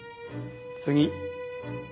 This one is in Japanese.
次